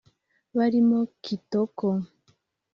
barimo Kitoko